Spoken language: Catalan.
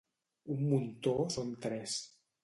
Un muntó són tres.